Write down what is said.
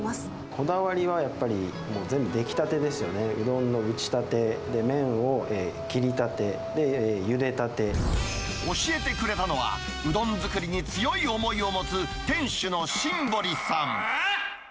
こだわりは、やっぱり、全部出来たてですよね、うどんの打ちたて、麺を切り立て、ゆでた教えてくれたのは、うどん作りに強い思いを持つ、店主の新堀さん。